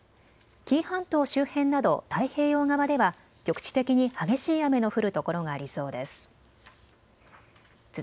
紀伊半島周辺など太平洋側では局地的に激しい雨の降る所がありそうです。